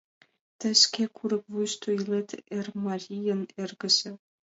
— Тый шке курык вуйышто илет, Эрмарийын эргыже.